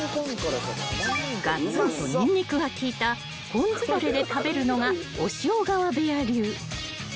［がつんとニンニクが効いたポン酢だれで食べるのが押尾川部屋流］